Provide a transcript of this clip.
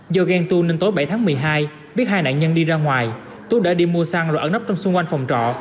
do ghen tu nên tối bảy tháng một mươi hai biết hai nạn nhân đi ra ngoài tú đã đi mua xăng rồi ở nắp trong xung quanh phòng trọ